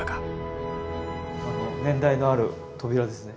年代のある扉ですね。